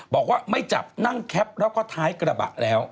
บอกว่าไม่จับนั่งแคปแล้วก็ท้ายกระบะแล้ว